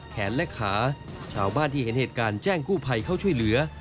และขาชาวบ้านที่เห็นเหตุการณ์แจ้งกู้ภัยเข้าช่วยเหลือ